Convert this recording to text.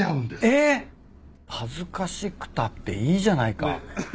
恥ずかしくたっていいじゃないか。